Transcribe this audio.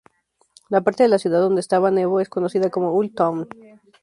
La parte de la ciudad donde estaba Nebo es conocida como "Old Town".